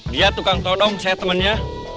dia tukang todong saya temannya